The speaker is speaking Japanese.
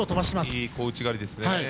いい小内刈りですね。